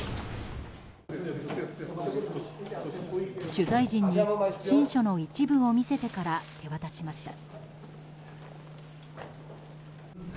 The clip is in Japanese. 取材陣に、親書の一部を見せてから手渡しました。